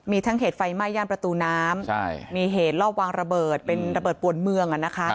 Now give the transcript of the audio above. มีทั้งเหตุไฟไหม้ย่านประตูน้ำมีเหตุรอบวางระเบิดเป็นระเบิดปวนเมือง